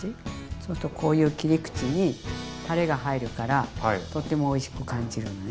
そうするとこういう切り口にたれが入るからとってもおいしく感じるのね。